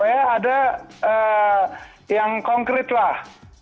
supaya ada yang konkret lah